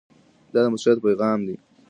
دا د مسؤلیت پیغام دی.